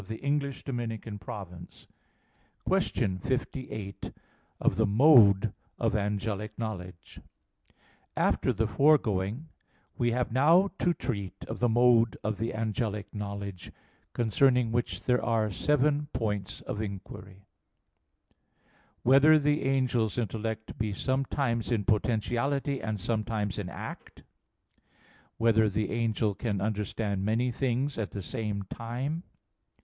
xvi in Ezech.). _______________________ QUESTION 58 OF THE MODE OF ANGELIC KNOWLEDGE (In Seven Articles) After the foregoing we have now to treat of the mode of the angelic knowledge, concerning which there are seven points of inquiry: (1) Whether the angel's intellect be sometimes in potentiality, and sometimes in act? (2) Whether the angel can understand many things at the same time?